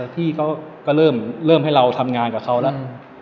พี่เขาก็เริ่มให้เราทำงานกับเขาแล้ว